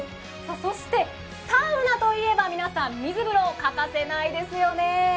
そしてサウナといえば皆さん、水風呂欠かせないですよね。